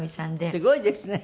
すごいですね。